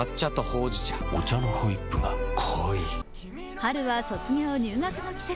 春は卒業・入学の季節。